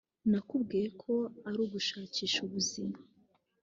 Nakubwiye ko ari ugashakisha ubuzima